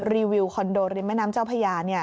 รีวิวคอนโดริมแม่น้ำเจ้าพญา